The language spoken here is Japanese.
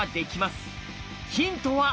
ヒントは。